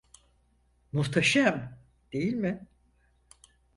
Muhteşem, değil mi?